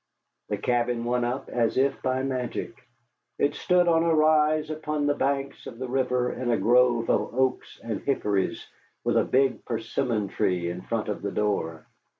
The cabin went up as if by magic. It stood on a rise upon the bank of the river in a grove of oaks and hickories, with a big persimmon tree in front of the door.